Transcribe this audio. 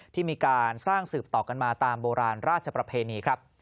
ที่มีการสร้างสืบต่อกันมาตามโบราณราชประเพณีครับ